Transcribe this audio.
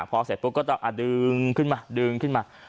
พอเสร็จปุ๊บก็ต้องดึงขึ้นมาดึงขึ้นมา